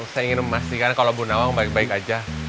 saya ingin memastikan kalau bu nawang baik baik aja